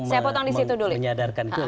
saya potong disitu dulu